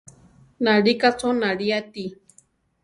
Nalíka cho náli ati.